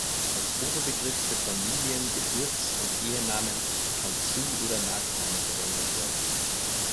Als Oberbegriff für "Familien-", "Geburts-" und "Ehename" kann "Zu-" oder "Nachname" verwendet werden.